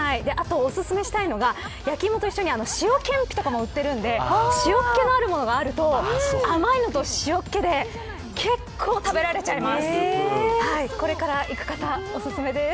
おすすめしたいのは塩けんぴとかも売っているので塩っ気があるものがあると甘いものと塩っ気で結構、食べられちゃいます。